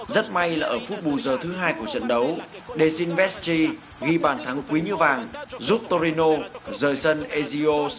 rất may là ở phút bù giờ thứ hai của trận đấu de sinvestri ghi bàn thắng quý như vàng giúp torino có dẫn bàn